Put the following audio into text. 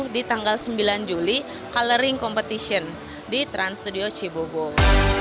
di tanggal sembilan juli coloring competition di trans studio cibubur